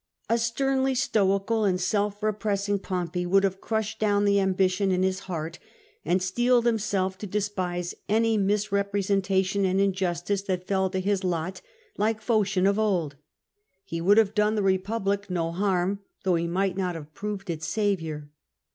A sternly stoical and self repressing Pompey would have crushed down the ambition in his heart, and steeled himself to despise any misrepresentation and injustice that fell to his lot, like Phocion of old. He would have done the Eepublic no harm, though he might not have proved its saviour.